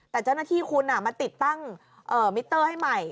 แต่เจ้าหน้าที่คุณมาติดตั้งมิเตอร์ให้ใหม่